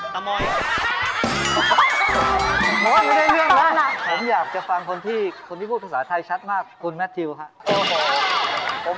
ผมไม่มีความอยากจะพูดถูกเลยผมไม่อยากจะพูดเดี๋ยวนะครับ